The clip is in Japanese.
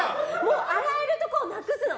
洗えるところをなくすの。